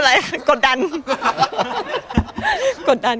ไม่เป็นไรกดดัน